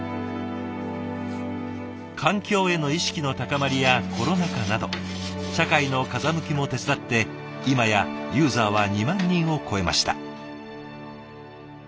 環境への意識の高まりやコロナ禍など社会の風向きも手伝って今やユーザーは２万人を超えました。